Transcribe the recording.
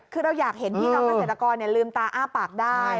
คือเราอยากเห็นพี่น้องเกษตรกรลืมตาอ้าปากได้